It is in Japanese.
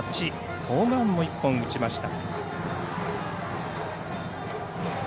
ホームランも１本打ちました。